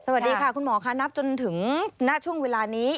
สวัสดีค่ะคุณหมอค่ะนับจนถึงณช่วงเวลานี้